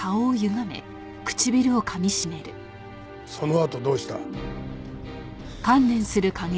そのあとどうした？